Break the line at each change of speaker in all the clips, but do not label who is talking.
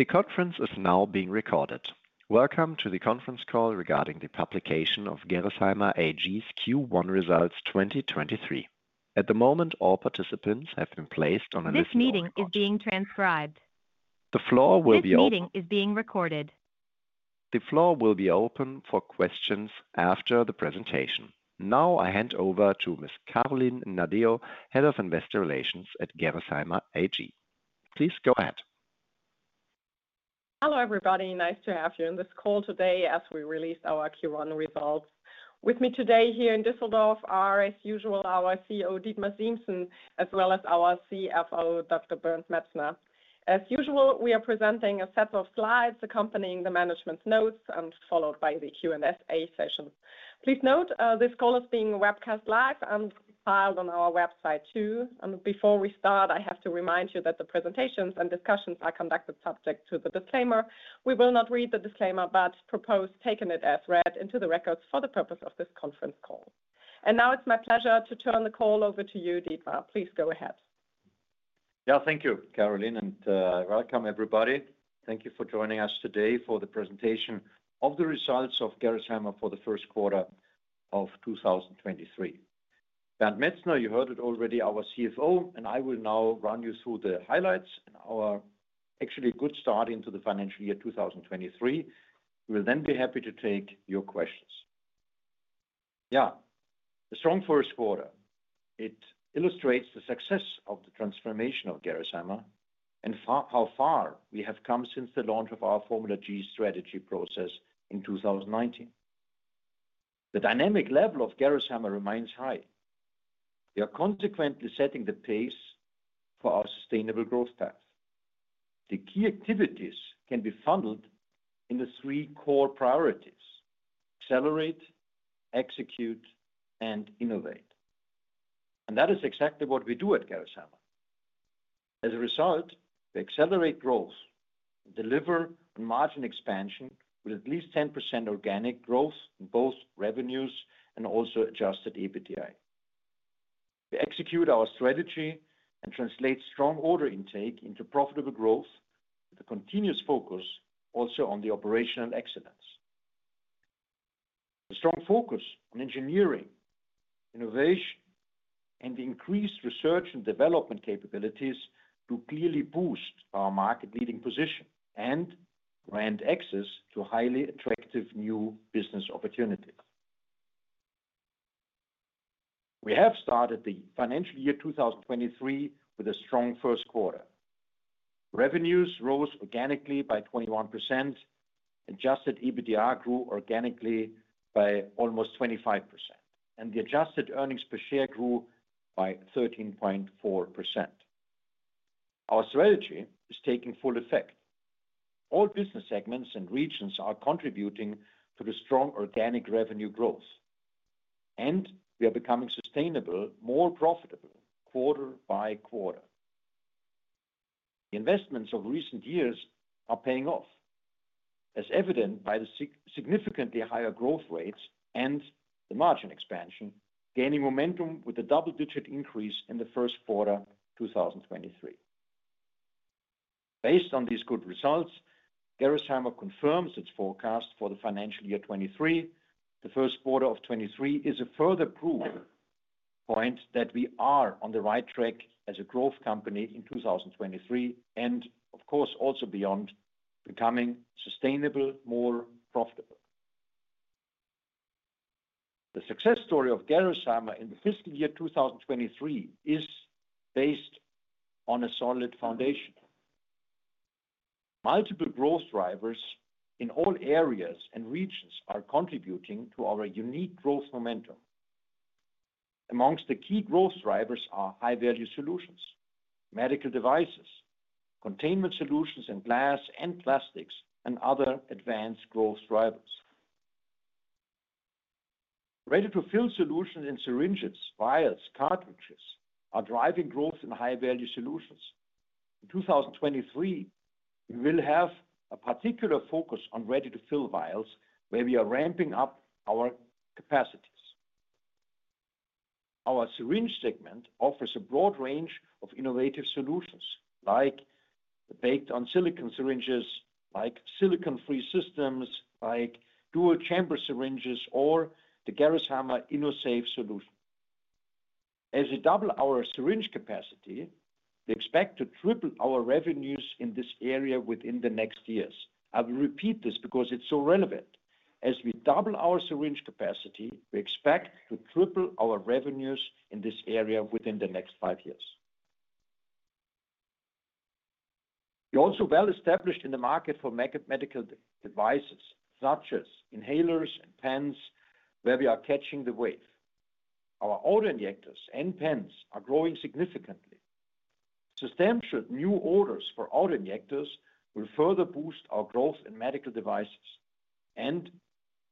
The conference is now being recorded. Welcome to the conference call regarding the publication of Gerresheimer AG's Q1 results 2023. At the moment, all participants have been placed on a listen-only option. The floor will be open for questions after the presentation. Now I hand over to Ms. Carolin Nadilo, Head of Investor Relations at Gerresheimer AG. Please go ahead.
Hello, everybody. Nice to have you on this call today as we release our Q1 results. With me today here in Düsseldorf are, as usual, our CEO, Dietmar Siemssen, as well as our CFO, Dr. Bernd Metzner. As usual, we are presenting a set of slides accompanying the management's notes and followed by the Q&A session. Please note, this call is being webcast live and filed on our website too. Before we start, I have to remind you that the presentations and discussions are conducted subject to the disclaimer. We will not read the disclaimer, but propose taking it as read into the records for the purpose of this conference call. Now it's my pleasure to turn the call over to you, Dietmar. Please go ahead.
Thank you, Carolin, and welcome, everybody. Thank you for joining us today for the presentation of the results of Gerresheimer for the first quarter of 2023. Bernd Metzner, you heard it already, our CFO, and I will now run you through the highlights and our actually good start into the financial year 2023. We will then be happy to take your questions. A strong first quarter. It illustrates the success of the transformation of Gerresheimer and how far we have come since the launch of our formula g strategy process in 2019. The dynamic level of Gerresheimer remains high. We are consequently setting the pace for our sustainable growth path. The key activities can be funneled in the three core priorities: accelerate, execute, and innovate. That is exactly what we do at Gerresheimer. As a result, we accelerate growth, deliver margin expansion with at least 10% organic growth in both revenues and also Adjusted EBITDA. We execute our strategy and translate strong order intake into profitable growth with a continuous focus also on the operational excellence. A strong focus on engineering, innovation, and increased research and development capabilities to clearly boost our market-leading position and grant access to highly attractive new business opportunities. We have started the financial year 2023 with a strong first quarter. Revenues rose organically by 21%. Adjusted EBITDA grew organically by almost 25%, and the Adjusted earnings per share grew by 13.4%. Our strategy is taking full effect. All business segments and regions are contributing to the strong organic revenue growth, and we are becoming sustainable, more profitable quarter-by-quarter. The investments of recent years are paying off, as evident by the significantly higher growth rates and the margin expansion, gaining momentum with a double-digit increase in the first quarter 2023. Based on these good results, Gerresheimer confirms its forecast for the financial year 2023. The first quarter of 2023 is a further proof point that we are on the right track as a growth company in 2023 and of course also beyond becoming sustainable, more profitable. The success story of Gerresheimer in the fiscal year 2023 is based on a solid foundation. Multiple growth drivers in all areas and regions are contributing to our unique growth momentum. Amongst the key growth drivers are high-value solutions, medical devices, containment solutions in glass and plastics, and other advanced growth drivers. Ready-to-fill solutions in syringes, vials, cartridges are driving growth in high-value solutions. In 2023, we will have a particular focus on ready-to-fill vials, where we are ramping up our capacities. Our syringe segment offers a broad range of innovative solutions like the baked-on silicone syringes, like silicone-free systems, like dual chamber syringes or the Gerresheimer InnoSafe solution. As we double our syringe capacity, we expect to triple our revenues in this area within the next years. I will repeat this because it's so relevant. As we double our syringe capacity, we expect to triple our revenues in this area within the next five years. We're also well established in the market for medical devices such as inhalers and pens, where we are catching the wave. Our auto-injectors and pens are growing significantly. Substantial new orders for auto-injectors will further boost our growth in medical devices and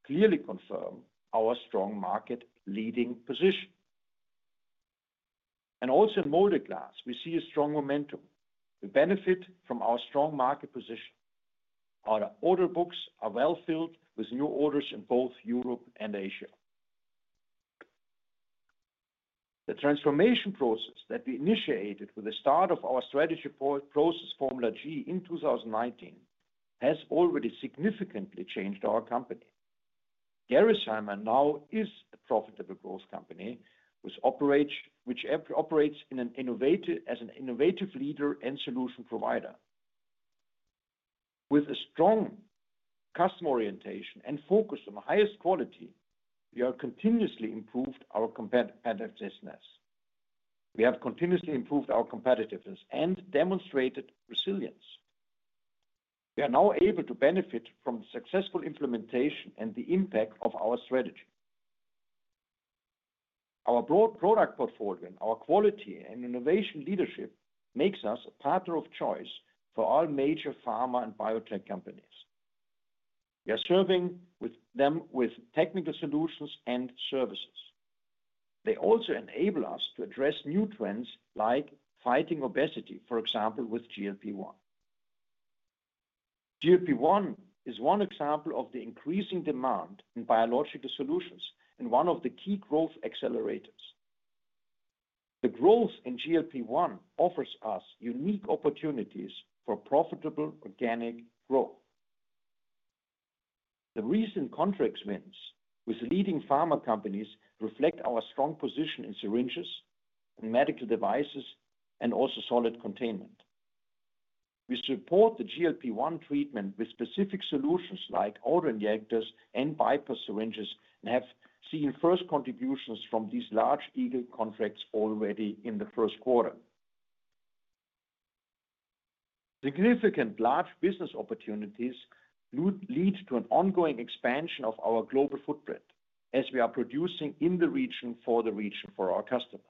clearly confirm our strong market-leading position. Also in molded glass, we see a strong momentum. We benefit from our strong market position. Our order books are well filled with new orders in both Europe and Asia. The transformation process that we initiated with the start of our strategy process formula g in 2019 has already significantly changed our company. Gerresheimer now is a profitable growth company which operates as an innovative leader and solution provider. With a strong customer orientation and focus on the highest quality, we have continuously improved our competitiveness. We have continuously improved our competitiveness and demonstrated resilience. We are now able to benefit from the successful implementation and the impact of our strategy. Our broad product portfolio and our quality and innovation leadership makes us a partner of choice for all major pharma and biotech companies. We are serving with them with technical solutions and services. They also enable us to address new trends like fighting obesity, for example, with GLP-1. GLP-1 is one example of the increasing demand in biological solutions and one of the key growth accelerators. The growth in GLP-1 offers us unique opportunities for profitable organic growth. The recent contract wins with leading pharma companies reflect our strong position in syringes and medical devices and also solid containment. We support the GLP-1 treatment with specific solutions like auto-injectors and bypass syringes, and have seen first contributions from these large eagle contracts already in the first quarter. Significant large business opportunities lead to an ongoing expansion of our global footprint as we are producing in the region for the region for our customers.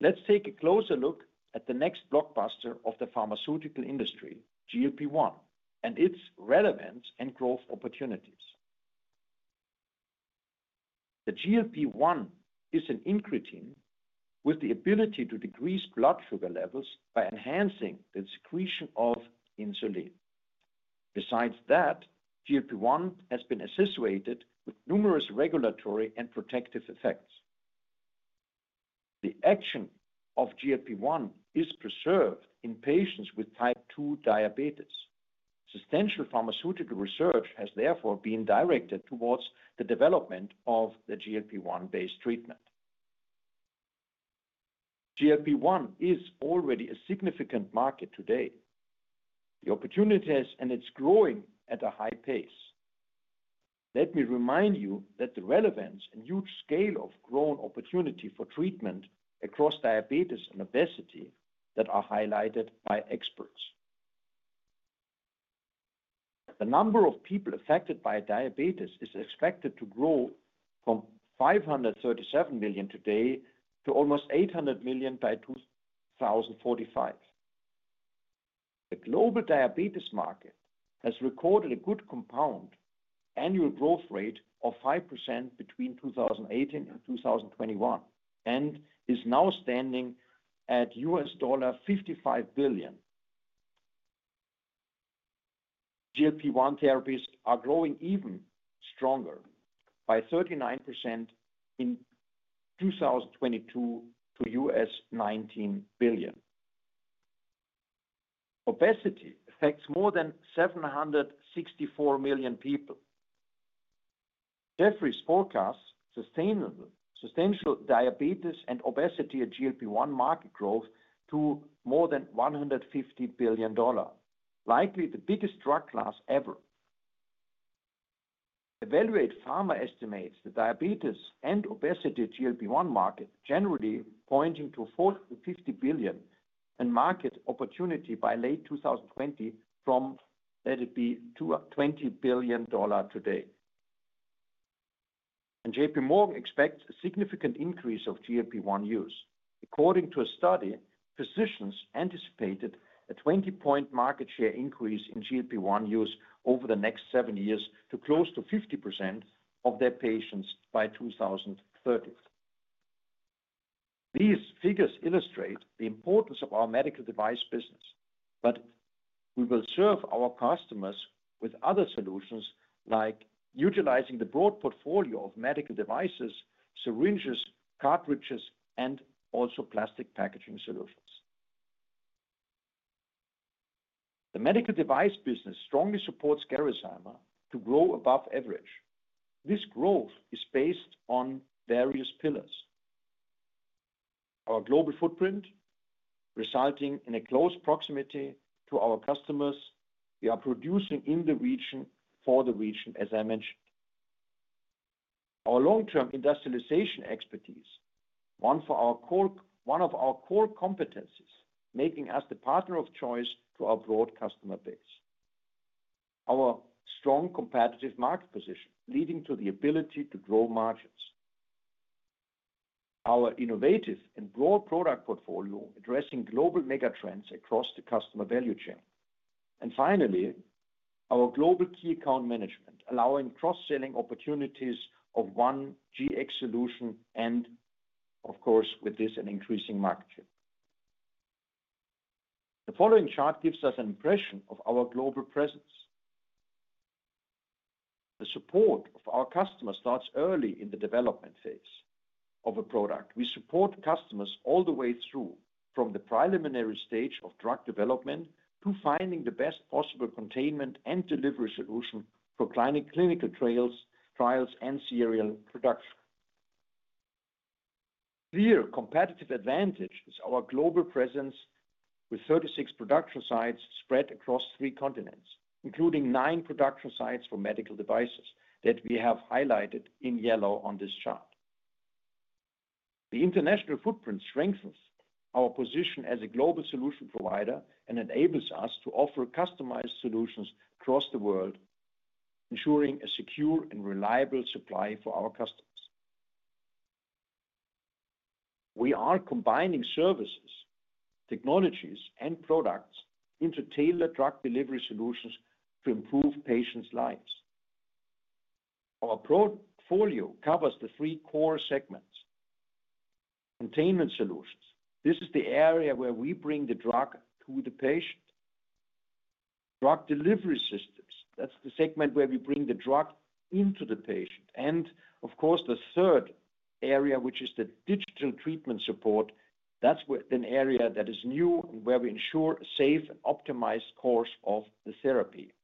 Let's take a closer look at the next blockbuster of the pharmaceutical industry, GLP-1, and its relevance and growth opportunities. The GLP-1 is an incretin with the ability to decrease blood sugar levels by enhancing the secretion of insulin. Besides that, GLP-1 has been associated with numerous regulatory and protective effects. The action of GLP-1 is preserved in patients with type two diabetes. Substantial pharmaceutical research has therefore been directed towards the development of the GLP-1 based treatment. GLP-1 is already a significant market today. The opportunity and it's growing at a high pace. Let me remind you that the relevance and huge scale of growing opportunity for treatment across diabetes and obesity that are highlighted by experts. The number of people affected by diabetes is expected to grow from 537 million today to almost 800 million by 2045. The global diabetes market has recorded a good compound annual growth rate of 5% between 2018 and 2021, and is now standing at $55 billion. GLP-1 therapies are growing even stronger by 39% in 2022 to $19 billion. Obesity affects more than 764 million people. Jefferies forecasts substantial diabetes and obesity GLP-1 market growth to more than $150 billion, likely the biggest drug class ever. Evaluate Pharma estimates the diabetes and obesity GLP-1 market generally pointing to a $40 billion-$50 billion in market opportunity by late 2020 from let it be to $20 billion today. JPMorgan expects a significant increase of GLP-1 use. According to a study, physicians anticipated a 20-point market share increase in GLP-1 use over the next seven years to close to 50% of their patients by 2030. These figures illustrate the importance of our medical device business. We will serve our customers with other solutions like utilizing the broad portfolio of medical devices, syringes, cartridges, and also plastic packaging solutions. The medical device business strongly supports Gerresheimer to grow above average. This growth is based on various pillars. Our global footprint, resulting in a close proximity to our customers. We are producing in the region for the region, as I mentioned. Our long-term industrialization expertise, one of our core competencies, making us the partner of choice to our broad customer base. Our strong competitive market position, leading to the ability to grow margins. Our innovative and broad product portfolio addressing global mega-trends across the customer value chain. Finally, our global key account management, allowing cross-selling opportunities of one Gx solution and of course with this, an increasing market share. The following chart gives us an impression of our global presence. The support of our customers starts early in the development phase of a product. We support customers all the way through from the preliminary stage of drug development to finding the best possible containment and delivery solution for clinical trials and serial production. Clear competitive advantage is our global presence with 36 production sites spread across three continents, including nine production sites for medical devices that we have highlighted in yellow on this chart. The international footprint strengthens our position as a global solution provider and enables us to offer customized solutions across the world, ensuring a secure and reliable supply for our customers. We are combining services, technologies and products into tailored drug delivery solutions to improve patients' lives. Our portfolio covers the three core segments. Containment solutions, this is the area where we bring the drug to the patient. Drug delivery systems, that's the segment where we bring the drug into the patient. Of course, the third area, which is the digital treatment support, that's an area that is new and where we ensure a safe and optimized course of the therapy.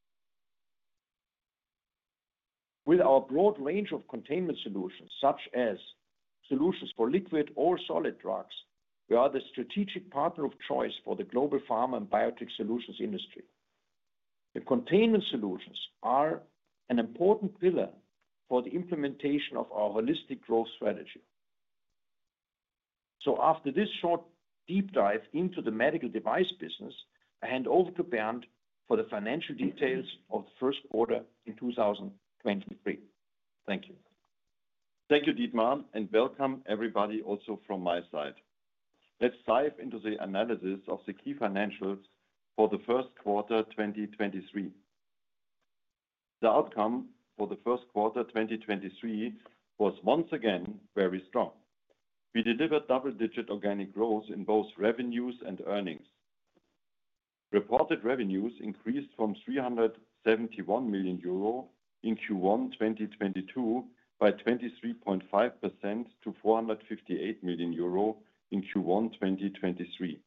With our broad range of containment solutions, such as solutions for liquid or solid drugs, we are the strategic partner of choice for the global pharma and biotech solutions industry. The containment solutions are an important pillar for the implementation of our holistic growth strategy. After this short deep dive into the medical device business, I hand over to Bernd for the financial details of the first quarter in 2023. Thank you.
Welcome everybody also from my side. Let's dive into the analysis of the key financials for the first quarter 2023. The outcome for the first quarter 2023 was once again very strong. We delivered double-digit organic growth in both revenues and earnings. Reported revenues increased from 371 million euro in Q1 2022 by 23.5% to 458 million euro in Q1 2023.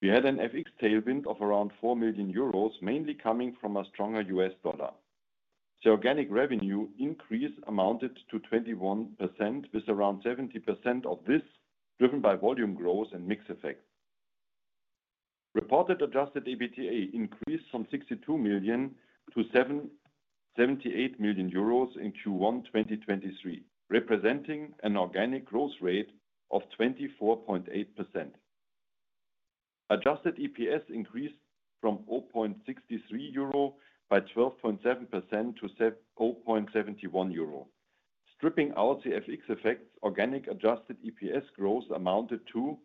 We had an FX tailwind of around 4 million euros, mainly coming from a stronger U.S. dollar. The organic revenue increase amounted to 21%, with around 70% of this driven by volume growth and mix effect. Reported Adjusted EBITDA increased from 62 million to 78 million euros in Q1 2023, representing an organic growth rate of 24.8%. Adjusted EPS increased from 0.63 euro by 12.7% to 0.71 euro. Stripping out the FX effects, organic adjusted EPS growth amounted to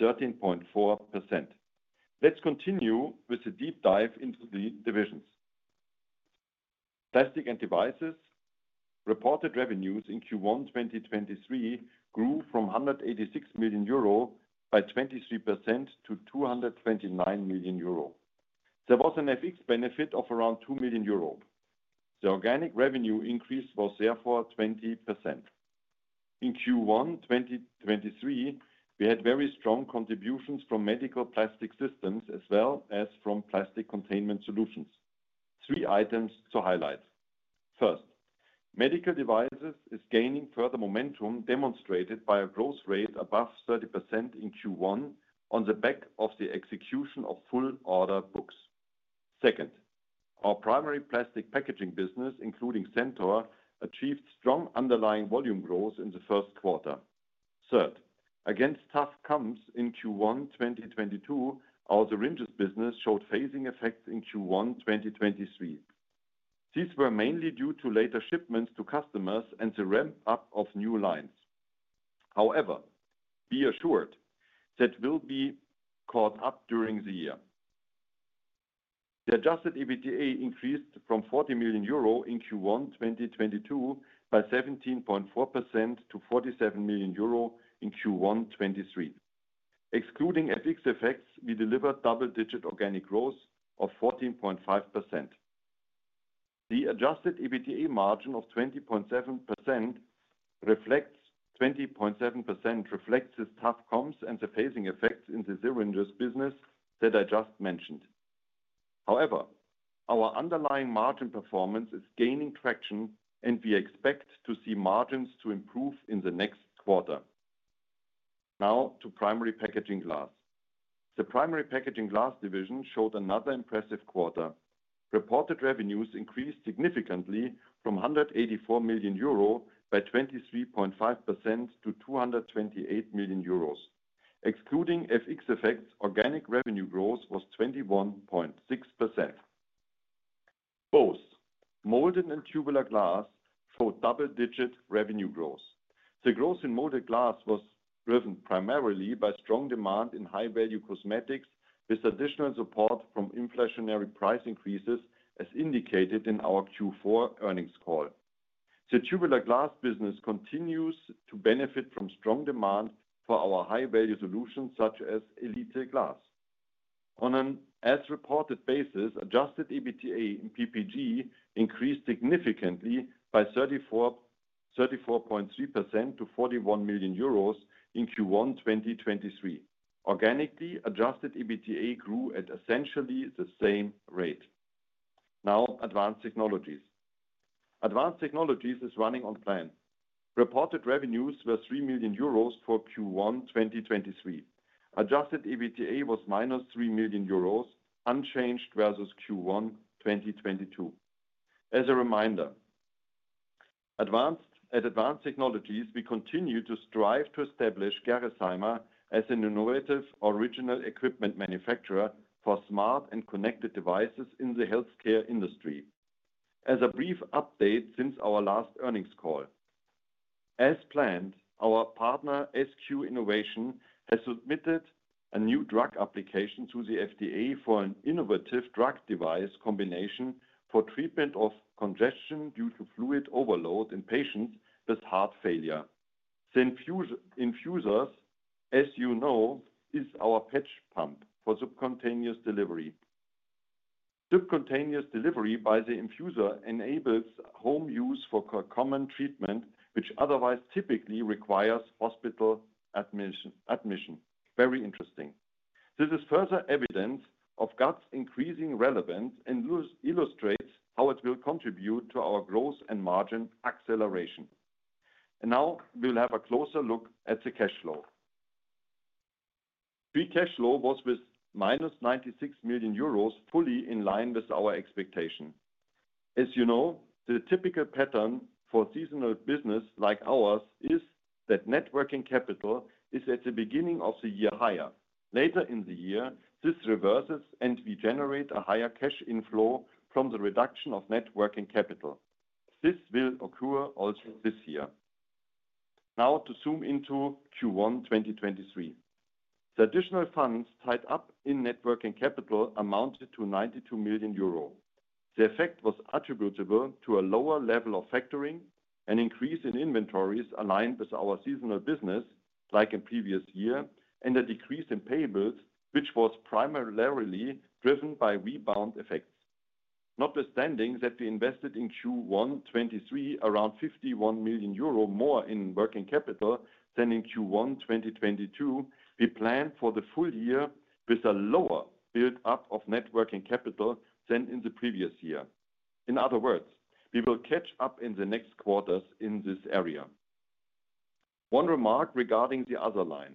13.4%. Let's continue with the deep dive into the divisions. Plastics & Devices reported revenues in Q1 2023 grew from 186 million euro by 23% to 229 million euro. There was an FX benefit of around 2 million euro. The organic revenue increase was therefore 20%. In Q1 2023, we had very strong contributions from medical plastic systems as well as from plastic containment solutions. Three items to highlight. First, medical devices is gaining further momentum, demonstrated by a growth rate above 30% in Q1 on the back of the execution of full order books. Second, our primary plastic packaging business, including Centor, achieved strong underlying volume growth in the 1st quarter. Third, against tough comps in Q1 2022, our syringes business showed phasing effects in Q1 2023. These were mainly due to later shipments to customers and the ramp-up of new lines. However, be assured that will be caught up during the year. The Adjusted EBITDA increased from 40 million euro in Q1 2022 by 17.4% to 47 million euro in Q1 2023. Excluding FX effects, we delivered double-digit organic growth of 14.5%. The Adjusted EBITDA margin of 20.7% reflects the tough comps and the phasing effects in the syringes business that I just mentioned. However, our underlying margin performance is gaining traction, and we expect to see margins to improve in the next quarter. To Primary Packaging Glass. The Primary Packaging Glass division showed another impressive quarter. Reported revenues increased significantly from 184 million euro by 23.5% to 228 million euros. Excluding FX effects, organic revenue growth was 21.6%. Both molded and tubular glass showed double-digit revenue growth. The growth in molded glass was driven primarily by strong demand in high-value cosmetics, with additional support from inflationary price increases as indicated in our Q4 earnings call. The tubular glass business continues to benefit from strong demand for our high-value solutions, such as Elite Glass. On an as-reported basis, Adjusted EBITDA in PPG increased significantly by 34.3% to 41 million euros in Q1 2023. Organically, Adjusted EBITDA grew at essentially the same rate. Advanced Technologies. Advanced Technologies is running on plan. Reported revenues were 3 million euros for Q1, 2023. Adjusted EBITDA was -3 million euros, unchanged versus Q1, 2022. As a reminder, at Advanced Technologies, we continue to strive to establish Gerresheimer as an innovative original equipment manufacturer for smart and connected devices in the healthcare industry. As a brief update since our last earnings call: As planned, our partner, SQ Innovation, has submitted a new drug application to the FDA for an innovative drug device combination for treatment of congestion due to fluid overload in patients with heart failure. The infusers, as you know, is our patch pump for subcutaneous delivery. Subcutaneous delivery by the infuser enables home use for co-common treatment, which otherwise typically requires hospital admission. Very interesting. This is further evidence of GUTS' increasing relevance and illustrates how it will contribute to our growth and margin acceleration. Now we'll have a closer look at the cash flow. Free cash flow was with -96 million euros, fully in line with our expectation. As you know, the typical pattern for seasonal business like ours is that net working capital is at the beginning of the year higher. Later in the year, this reverses, and we generate a higher cash inflow from the reduction of net working capital. This will occur also this year. Now to zoom into Q1 2023. The additional funds tied up in net working capital amounted to 92 million euro. The effect was attributable to a lower level of factoring, an increase in inventories aligned with our seasonal business, like in previous year, and a decrease in payables, which was primarily driven by rebound effects. Notwithstanding that we invested in Q1 2023 around 51 million euro more in working capital than in Q1 2022, we plan for the full year with a lower build-up of net working capital than in the previous year. In other words, we will catch up in the next quarters in this area. One remark regarding the other line.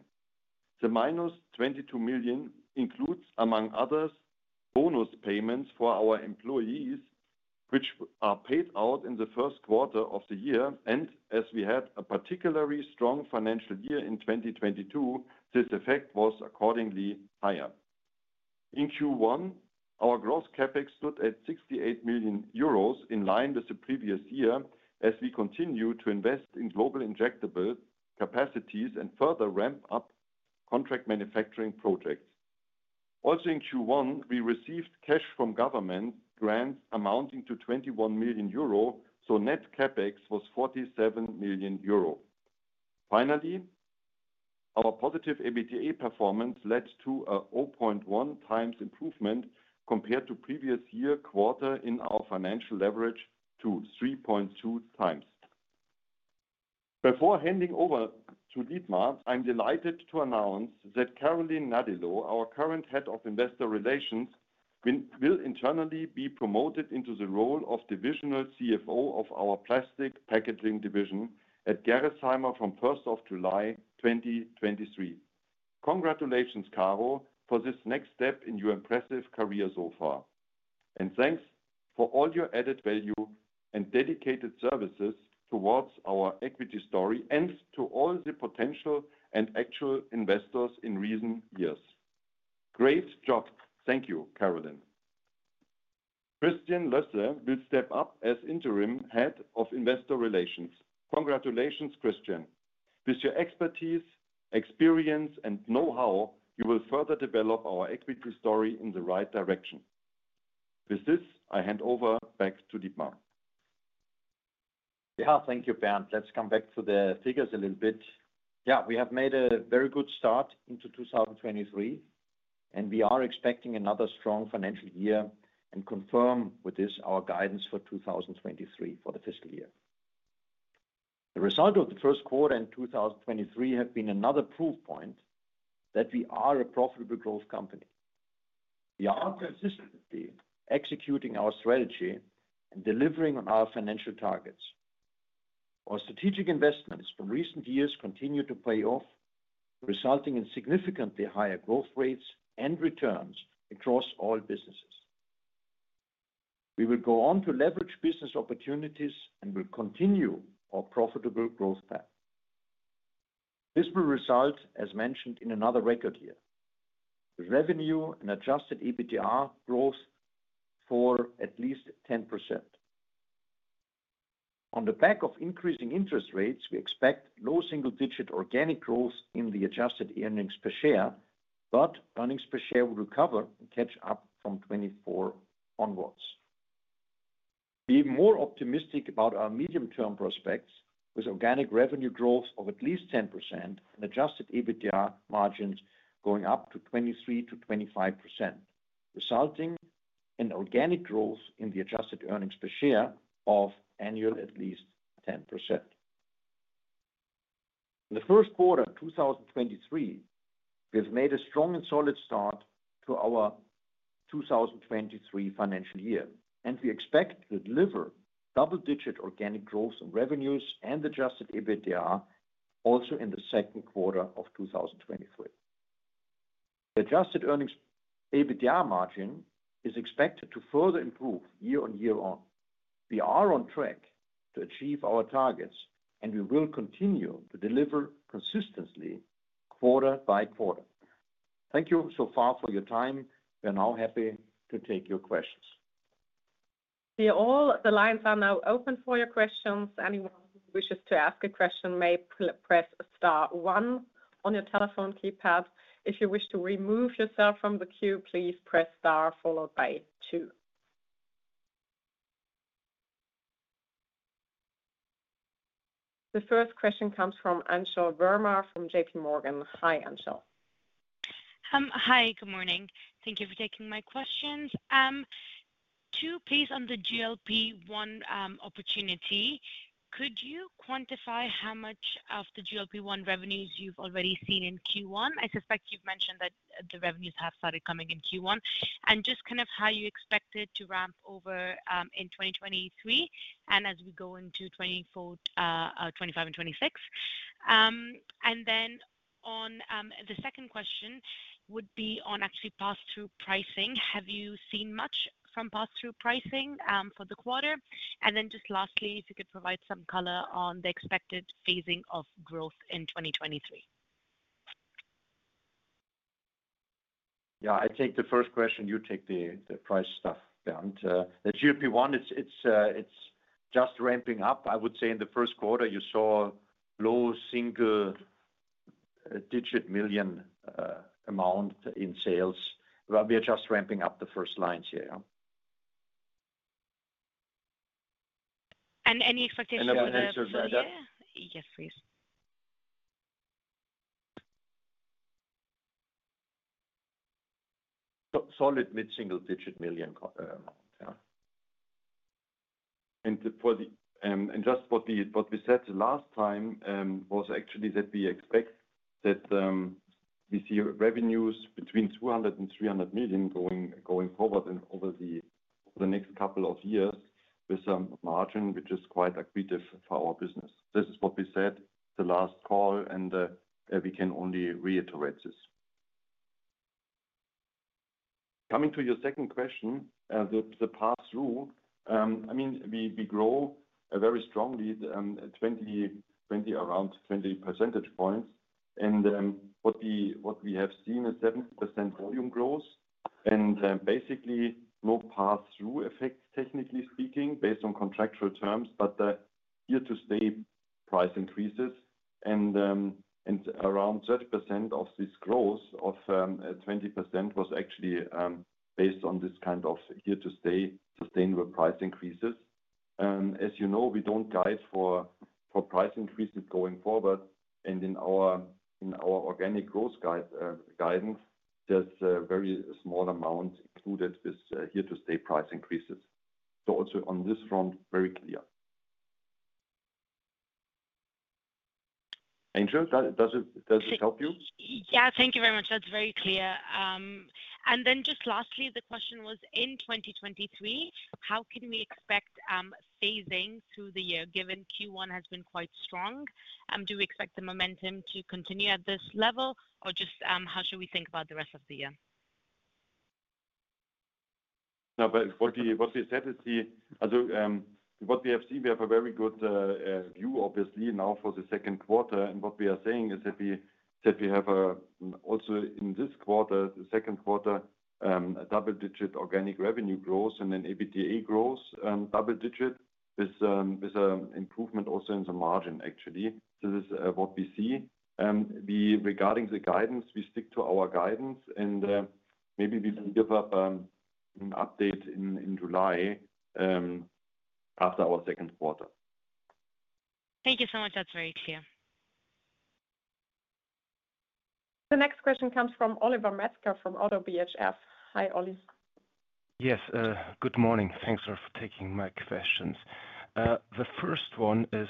The -22 million includes, among others, bonus payments for our employees, which are paid out in the first quarter of the year. As we had a particularly strong financial year in 2022, this effect was accordingly higher. In Q1, our gross CapEx stood at 68 million euros, in line with the previous year, as we continue to invest in global injectable capacities and further ramp up contract manufacturing projects. In Q1, we received cash from government grants amounting to 21 million euro. Net CapEx was 47 million euro. Our positive EBITDA performance led to a 0.1x improvement compared to previous year quarter in our financial leverage to 3.2x. Before handing over to Dietmar, I'm delighted to announce that Carolin Nadilo, our current Head of Investor Relations, will internally be promoted into the role of Divisional CFO of our Plastic Packaging division at Gerresheimer from 1st of July, 2023. Congratulations, Caro, for this next step in your impressive career so far. Thanks for all your added value and dedicated services towards our equity story and to all the potential and actual investors in recent years. Great job. Thank you, Carolin. Christian Lösse will step up as interim Head of Investor Relations. Congratulations, Christian. With your expertise, experience, and know-how, you will further develop our equity story in the right direction. With this, I hand over back to Dietmar.
Yeah. Thank you, Bernd. Let's come back to the figures a little bit. Yeah, we have made a very good start into 2023, and we are expecting another strong financial year and confirm with this our guidance for 2023 for the fiscal year. The result of the first quarter in 2023 have been another proof point that we are a profitable growth company. We are consistently executing our strategy and delivering on our financial targets. Our strategic investments from recent years continue to pay off, resulting in significantly higher growth rates and returns across all businesses. We will go on to leverage business opportunities and will continue our profitable growth path. This will result, as mentioned, in another record year, with revenue and Adjusted EBITDA growth for at least 10%. On the back of increasing interest rates, we expect low single-digit organic growth in the Adjusted earnings per share. Earnings per share will recover and catch up from 2024 onwards. Be more optimistic about our medium-term prospects with organic revenue growth of at least 10% and Adjusted EBITDA margins going up to 23%-25%, resulting in organic growth in the Adjusted earnings per share of annual at least 10%. In the first quarter of 2023, we have made a strong and solid start to our 2023 financial year, and we expect to deliver double-digit organic growth in revenues and Adjusted EBITDA also in the second quarter of 2023. The Adjusted earnings EBITDA margin is expected to further improve year-on-year. We are on track to achieve our targets, and we will continue to deliver consistently quarter-by-quarter. Thank you so far for your time. We are now happy to take your questions.
All the lines are now open for your questions. Anyone who wishes to ask a question may press star one on your telephone keypad. If you wish to remove yourself from the queue, please press star followed by two. The first question comes from Anshul Verma from JPMorgan. Hi, Anshul.
Hi, good morning. Thank you for taking my questions. Two please on the GLP-1 opportunity. Could you quantify how much of the GLP-1 revenues you've already seen in Q1? I suspect you've mentioned that the revenues have started coming in Q1. Just kind of how you expect it to ramp over in 2023 and as we go into 2024, 2025 and 2026. On the second question would be on actually passthrough pricing. Have you seen much from passthrough pricing for the quarter? Just lastly, if you could provide some color on the expected phasing of growth in 2023.
Yeah. I take the first question, you take the price stuff, Bernd. The GLP-1, it's just ramping up. I would say in the first quarter, you saw low single-digit million amount in sales. We are just ramping up the first lines here.
Any expectations for the full year? Yes, please.
Solid EUR mid-single digit million, yeah. Just what we said last time, was actually that we expect that we see revenues between 200 million and 300 million going forward and over the next couple of years with some margin, which is quite accretive for our business. This is what we said the last call, and we can only reiterate this. Coming to your second question, the passthrough. I mean, we grow very strongly around 20 percentage points. What we have seen is 7% volume growth and basically no passthrough effect, technically speaking, based on contractual terms, but the here to stay price increases. Around 30% of this growth of, 20% was actually based on this kind of here to stay sustainable price increases. As you know, we don't guide for price increases going forward. In our organic growth guidance, there's a very small amount included with here to stay price increases. Also on this front, very clear. Anshul, does it help you?
Yeah. Thank you very much. That's very clear. Just lastly, the question was in 2023, how can we expect phasing through the year given Q1 has been quite strong? Do we expect the momentum to continue at this level, or just how should we think about the rest of the year?
What we said is the, also, what we have seen, we have a very good view, obviously now for the second quarter. What we are saying is that we have a, also in this quarter, the second quarter, a double-digit organic revenue growth and an EBITDA growth, double digit with improvement also in the margin, actually. This is what we see. Regarding the guidance, we stick to our guidance, and maybe we can give up an update in July after our second quarter.
Thank you so much. That's very clear.
The next question comes from Oliver Metzger from ODDO BHF. Hi, Oliver.
Yes, good morning. Thanks for taking my questions. The first one is,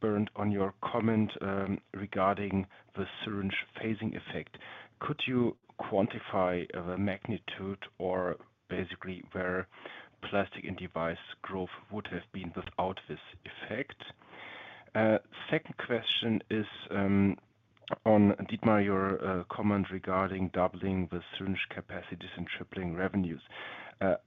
Bernd, on your comment regarding the syringe phasing effect. Could you quantify the magnitude or basically where Plastics & Devices growth would have been without this effect? Second question is, on, Dietmar, your comment regarding doubling the syringe capacities and tripling revenues.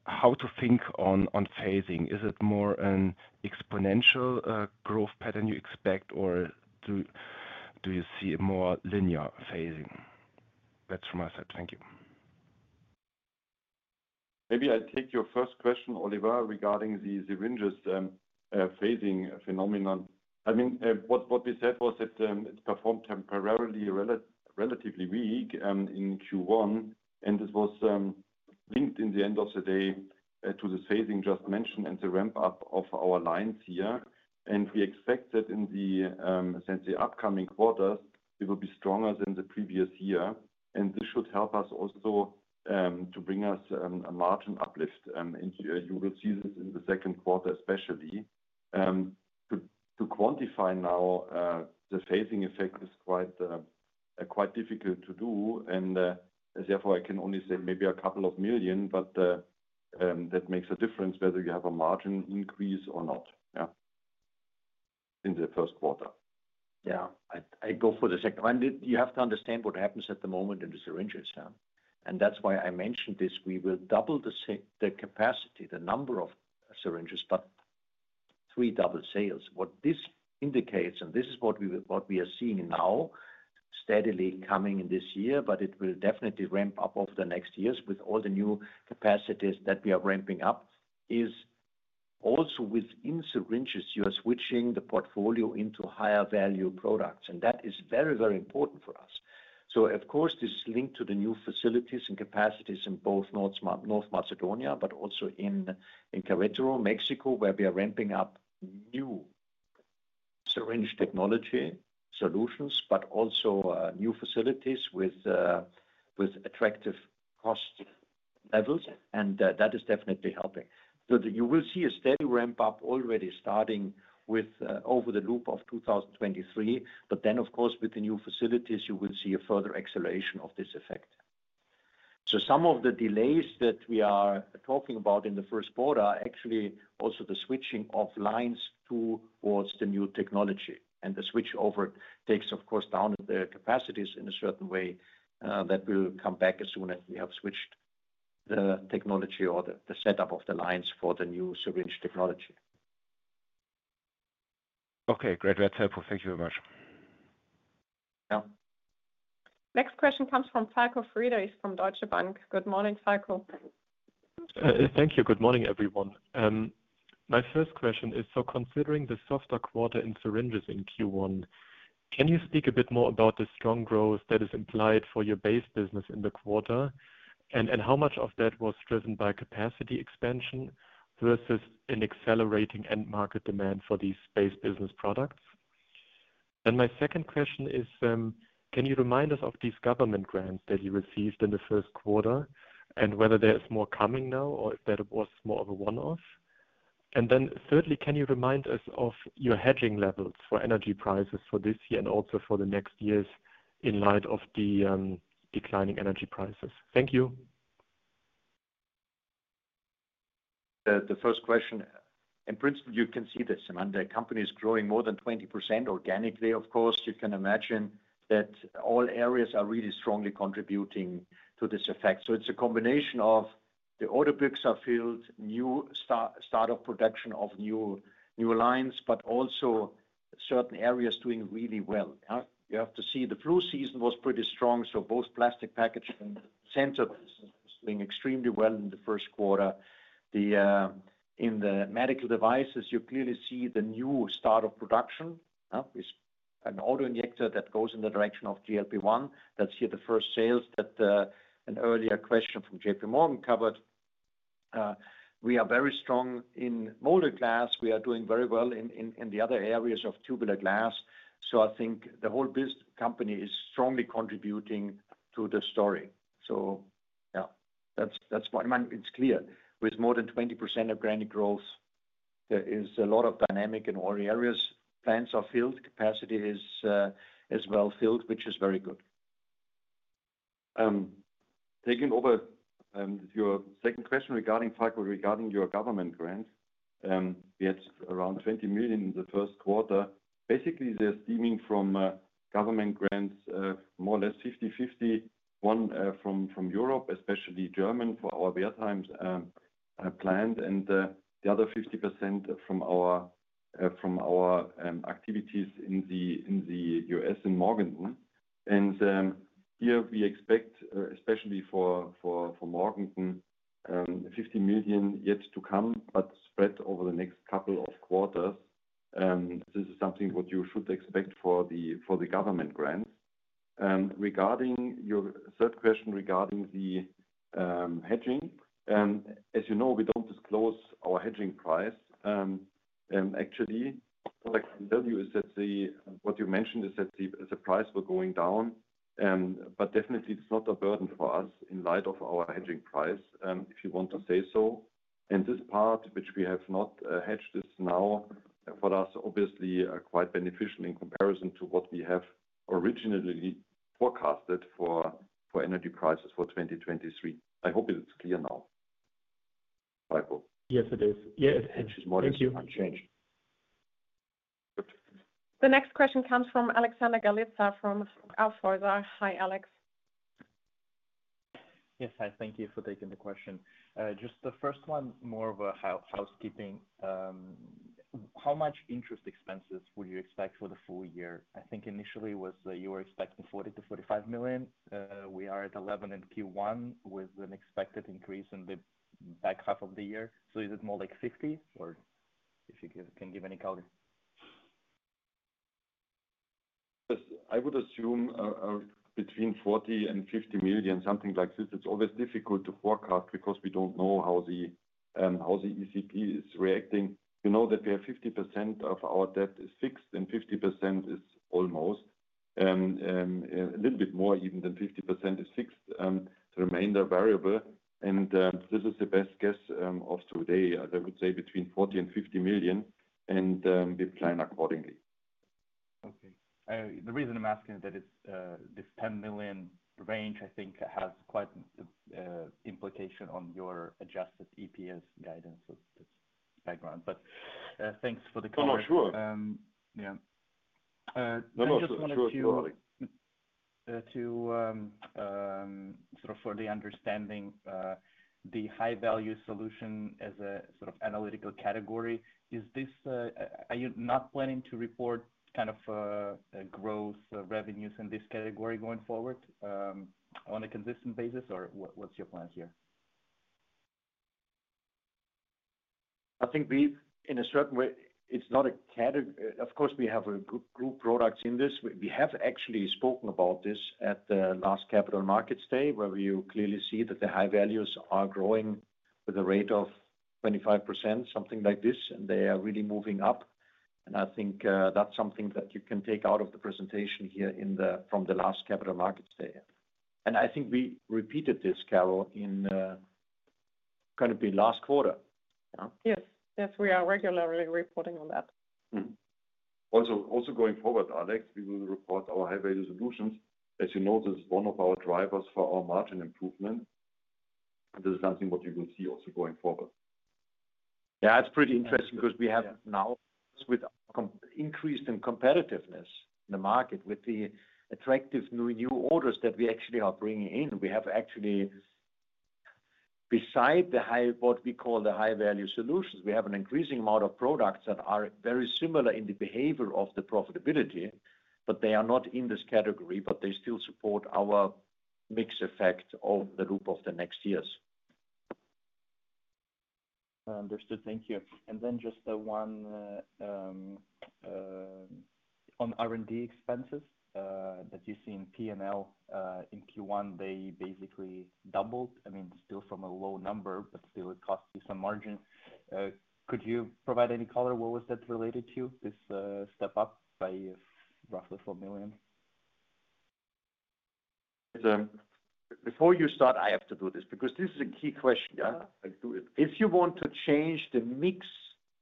How to think on phasing? Is it more an exponential growth pattern you expect, or do you see a more linear phasing? That's from my side. Thank you.
Maybe I take your first question, Oliver, regarding the syringes, phasing phenomenon. I mean, what we said was that it performed temporarily relatively weak in Q1, and this was linked in the end of the day to the phasing just mentioned and the ramp up of our lines here. We expect that in the essentially upcoming quarters, it will be stronger than the previous year, and this should help us also to bring us a margin uplift. You will see this in the second quarter especially. To quantify now, the phasing effect is quite difficult to do. Therefore, I can only say maybe a couple of million, but that makes a difference whether you have a margin increase or not, yeah, in the first quarter.
Yeah. I go for the second one. You have to understand what happens at the moment in the syringes. That's why I mentioned this. We will double the capacity, the number of syringes, but three double sales. What this indicates, and this is what we are seeing now, steadily coming in this year, but it will definitely ramp up over the next years with all the new capacities that we are ramping up, is also within syringes, you are switching the portfolio into higher value products, that is very, very important for us. Of course, this is linked to the new facilities and capacities in both North Macedonia, but also in Querétaro, Mexico, where we are ramping up new syringe technology solutions, but also new facilities with attractive cost levels, that is definitely helping. You will see a steady ramp up already starting with, over the loop of 2023. Of course, with the new facilities, you will see a further acceleration of this effect. Some of the delays that we are talking about in the first quarter are actually also the switching of lines towards the new technology. The switch over takes, of course, down the capacities in a certain way that will come back as soon as we have switched the technology or the setup of the lines for the new syringe technology.
Okay, great. That's helpful. Thank you very much.
Yeah. Next question comes from Falko Friedrichs is from Deutsche Bank. Good morning, Falko.
Thank you. Good morning, everyone. My first question is, considering the softer quarter in syringes in Q1, can you speak a bit more about the strong growth that is implied for your base business in the quarter? How much of that was driven by capacity expansion versus an accelerating end market demand for these base business products? My second question is, can you remind us of these government grants that you received in the first quarter and whether there's more coming now or if that was more of a one-off? Thirdly, can you remind us of your hedging levels for energy prices for this year and also for the next years in light of the declining energy prices? Thank you.
The first question. In principle, you can see this. I mean, the company is growing more than 20% organically. Of course, you can imagine that all areas are really strongly contributing to this effect. It's a combination of the order books are filled, new start of production of new lines, but also certain areas doing really well. You have to see the flu season was pretty strong. Both plastic packaging centers doing extremely well in the first quarter. In the medical devices, you clearly see the new start of production. With an auto-injector that goes in the direction of GLP-1. That's here the first sales that an earlier question from JPMorgan covered. We are very strong in molded glass. We are doing very well in the other areas of tubular glass. I think the whole company is strongly contributing to the story. Yeah, that's what I mean. It's clear. With more than 20% of organic growth, there is a lot of dynamic in all areas. Plants are filled, capacity is well filled, which is very good.
Taking over your second question regarding cycle, regarding your government grant. We had around 20 million in the first quarter. Basically, they're stemming from government grants, more or less 50/50. One, from Europe, especially German, for our Bünde plant. The other 50% from our activities in the U.S. in Morganton. Here we expect, especially for Morganton, 50 million yet to come, but spread over the next couple of quarters. This is something what you should expect for the government grants. Regarding your third question regarding the hedging. As you know, we don't disclose our hedging price. Actually, what I can tell you is that what you mentioned is that the price were going down, but definitely it's not a burden for us in light of our hedging price, if you want to say so. This part, which we have not hedged this now, for us, obviously are quite beneficial in comparison to what we have originally forecasted for energy prices for 2023. I hope it's clear now. Falko?
Yes, it is. Yeah.
Which is more than unchanged.
Thank you. The next question comes from Alexander Galitsa from Hauck Aufhäuser. Hi, Alex.
Yes. Hi. Thank you for taking the question. Just the first one, more of a housekeeping, how much interest expenses would you expect for the full year? I think initially was that you were expecting 40 million to 45 million. We are at 11 million in Q1 with an expected increase in the back half of the year. Is it more like 50 million, or can give any color.
Yes. I would assume, between 40 million and 50 million, something like this. It's always difficult to forecast because we don't know how the ECB is reacting. You know that we have 50% of our debt is fixed and 50% is almost, a little bit more even than 50% is fixed, the remainder variable. This is the best guess of today. I would say between 40 million and 50 million, and we plan accordingly.
Okay. The reason I'm asking that is, this 10 million range, I think has quite implication on your adjusted EPS guidance background. Thanks for the color.
Oh, sure.
Yeah.
No, no. Sure.
I just wanted to, sort of for the understanding, the high-value solution as a sort of analytical category. Is this, are you not planning to report kind of, a growth revenues in this category going forward, on a consistent basis? Or what's your plan here?
I think we, in a certain way, it's not Of course, we have a group products in this. We have actually spoken about this at the last Capital Markets Day, where you clearly see that the high values are growing with a rate of 25%, something like this, and they are really moving up. I think that's something that you can take out of the presentation here from the last Capital Markets Day. I think we repeated this, Carol, in kind of the last quarter. Yeah.
Yes. Yes. We are regularly reporting on that.
Also going forward, Alex, we will report our high-value solutions. As you know, this is one of our drivers for our margin improvement. This is something what you will see also going forward.
Yeah, it's pretty interesting 'cause we have now with increase in competitiveness in the market with the attractive new orders that we actually are bringing in. We have actually, beside the high, what we call the high-value solutions, we have an increasing amount of products that are very similar in the behavior of the profitability, but they are not in this category, but they still support our mix effect of the group of the next years.
Understood. Thank you. Just one on R&D expenses that you see in P&L in Q1, they basically doubled. I mean, still from a low number, but still it costs you some margin. Could you provide any color? What was that related to, this step up by roughly 4 million?
Before you start, I have to do this because this is a key question.
Yeah. Do it.
If you want to change the mix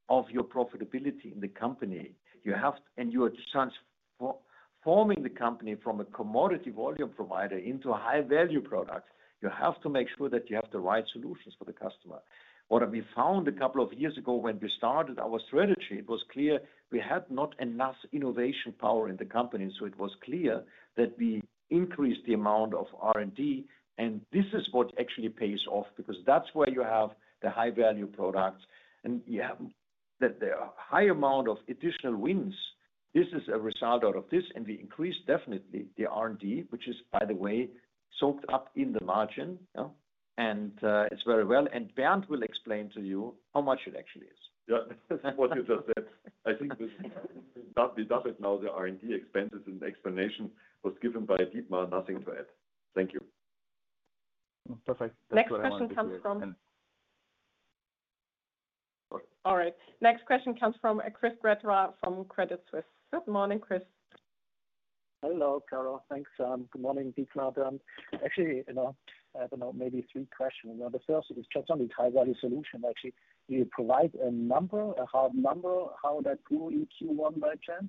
of your profitability in the company, you have and you are transforming the company from a commodity volume provider into a high-value product, you have to make sure that you have the right solutions for the customer. What we found a couple of years ago when we started our strategy, it was clear we had not enough innovation power in the company, so it was clear that we increased the amount of R&D, and this is what actually pays off because that's where you have the high-value products and you have the high amount of additional wins. This is a result out of this, and we increased definitely the R&D, which is, by the way, soaked up in the margin.
Yeah.
It's very well. Bernd will explain to you how much it actually is.
Yeah. What you just said. I think that we done it now, the R&D expenses and explanation was given by Dietmar. Nothing to add. Thank you.
Perfect. That's what I wanted to hear. All right. Next question comes from Chris Gretler from Credit Suisse. Good morning, Chris.
Hello, Carol. Thanks. Good morning, Dietmar. Actually, you know, I have now maybe three questions. The first is just on the high-value solution, actually. Do you provide a number, a hard number, how that grew in Q1 by chance?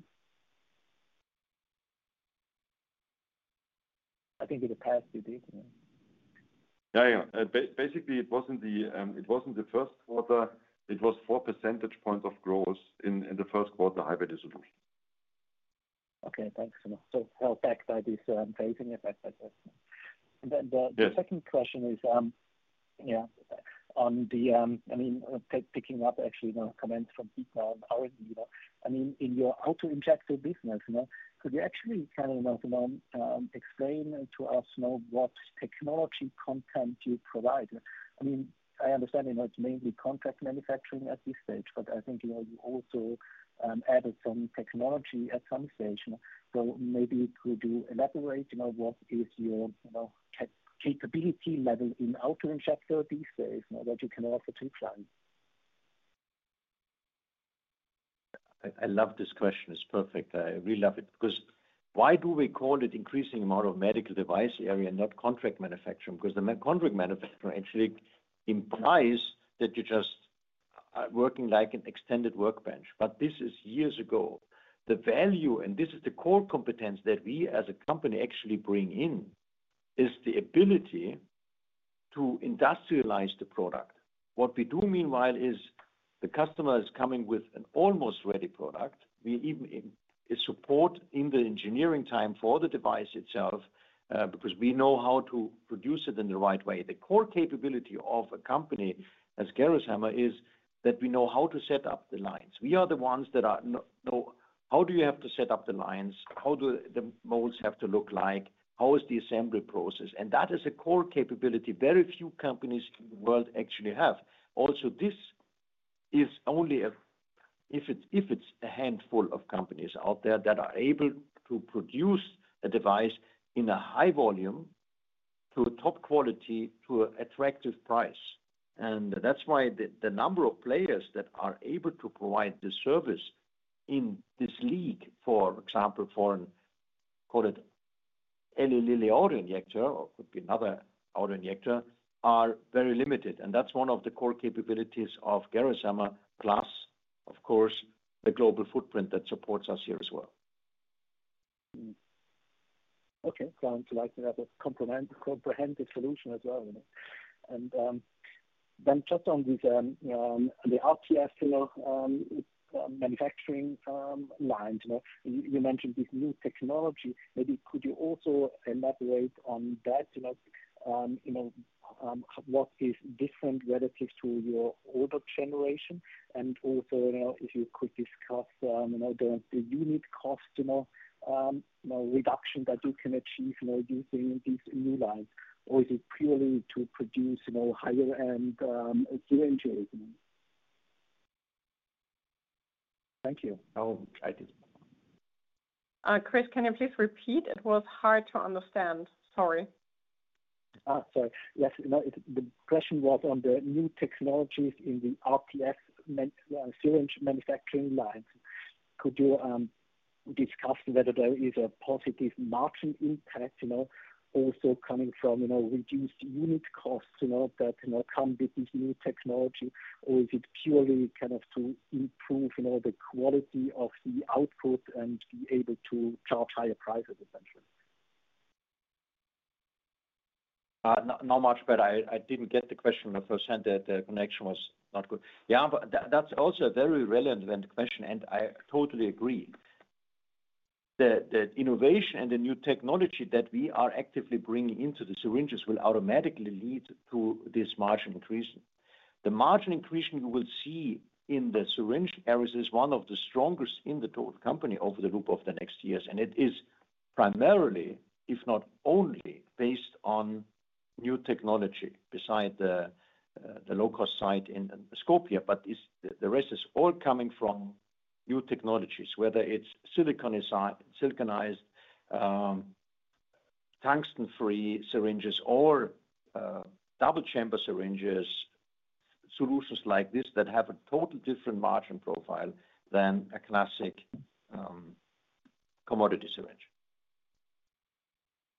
I think in the past you did.
Yeah, yeah. basically, it was in the first quarter. It was 4 percentage points of growth in the first quarter, high-value solution.
Okay. Thanks so much. Held back by this phasing effect I guess. The, the second question is, yeah, on the, I mean, picking up actually the comments from Dietmar on R&D. I mean, in your auto-injector business, you know, could you actually, kind of, you know, explain to us now what technology content you provide? I mean, I understand, you know, it's mainly contract manufacturing at this stage, but I think, you know, you also added some technology at some stage. Maybe could you elaborate, you know, what is your, you know, capability level in auto-injector these days now that you can offer to clients?
I love this question. It's perfect. I really love it. Why do we call it increasing amount of medical device area, not contract manufacturing? 'Cause the contract manufacturing actually implies that you're just working like an extended workbench. This is years ago. The value, and this is the core competence that we as a company actually bring in, is the ability to industrialize the product. What we do meanwhile is the customer is coming with an almost ready product. We even support in the engineering time for the device itself, because we know how to produce it in the right way. The core capability of a company as Gerresheimer is that we know how to set up the lines. We are the ones that know how do you have to set up the lines, how do the molds have to look like, how is the assembly process. That is a core capability very few companies in the world actually have. This is only if it's a handful of companies out there that are able to produce a device in a high volume to a top quality to an attractive price. That's why the number of players that are able to provide the service in this league, for example, for an, call it Eli Lilly auto-injector or could be another auto-injector, are very limited. That's one of the core capabilities of Gerresheimer, plus, of course, the global footprint that supports us here as well.
Okay. Sounds like you have a comprehensive solution as well. Then just on this the RTF, you know, manufacturing lines, you know. You mentioned this new technology. Maybe could you also elaborate on that? You know, what is different relative to your older generation? Also, you know, if you could discuss, you know, the unit cost, you know, reduction that you can achieve, you know, using these new lines, or is it purely to produce, you know, higher end syringes?
Thank you. I will try.
Chris, can you please repeat? It was hard to understand. Sorry.
Sorry. Yes. No, the question was on the new technologies in the RTF syringe manufacturing lines. Could you discuss whether there is a positive margin impact, you know, also coming from, you know, reduced unit costs, you know, that, you know, come with this new technology? Or is it purely kind of to improve, you know, the quality of the output and be able to charge higher prices essentially?
Not, not much, but I didn't get the question the first time. The connection was not good. Yeah. That, that's also a very relevant question, and I totally agree. The innovation and the new technology that we are actively bringing into the syringes will automatically lead to this margin increase. The margin increase you will see in the syringe areas is one of the strongest in the total company over the group of the next years, and it is primarily, if not only, based on new technology beside the low-cost site in Skopje. The rest is all coming from new technologies, whether it's siliconized, tungsten-free syringes or double-chamber syringes, solutions like this that have a total different margin profile than a classic, commodity syringe.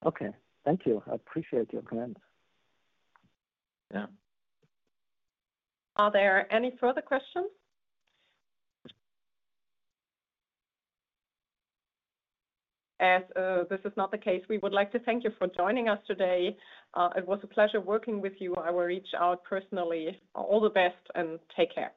Okay. Thank you. I appreciate your comment.
Yeah.
Are there any further questions? As this is not the case, we would like to thank you for joining us today. It was a pleasure working with you. I will reach out personally. All the best and take care.